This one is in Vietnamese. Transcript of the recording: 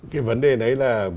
cái vấn đề đấy là